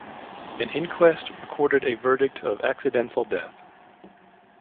An inquest recorded a verdict of accidental death.